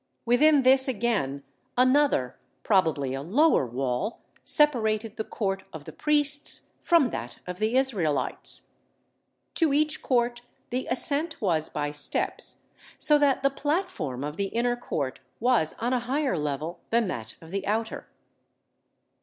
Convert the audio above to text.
Within this again another, probably a lower, wall separated the court of the priests from that of the Israelites. To each court the ascent was by steps, so that the platform of the inner court was on a higher level than that of the outer.